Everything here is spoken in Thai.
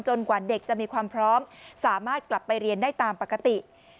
กว่าเด็กจะมีความพร้อมสามารถกลับไปเรียนได้ตามปกติ